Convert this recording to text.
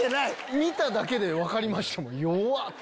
見ただけで分かりました弱っ！